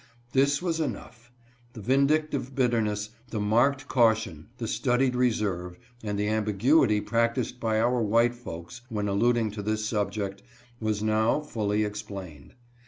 This was enough. The vindic tive bitterness, the marked caution, the studied reserve, and the ambiguity practiced by our white folks when alluding. to this subject, was now fully explained.